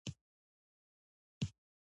خور له نیک اخلاقو سره ژوند کوي.